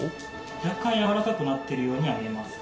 若干やわらかくなっているようには見えます。